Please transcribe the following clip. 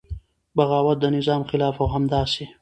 بغاوت د نظام خلاف او همداسې